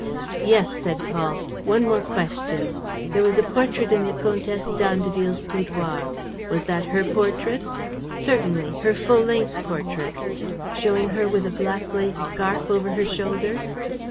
"Yes," said Paul, "one more question. There was a portrait in the Comtesse d'Andeville's boudoir: was that her portrait?" "Certainly, her full length portrait." "Showing her with a black lace scarf over her shoulders?"